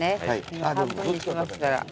今半分にしますから。